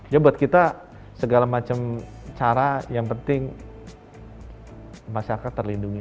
jadi buat kita segala macam cara yang penting masyarakat terlindungi